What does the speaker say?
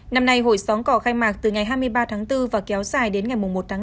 năm nay hội xóm cỏ khai mạc từ ngày hai mươi ba tháng bốn và kéo dài đến ngày một tháng năm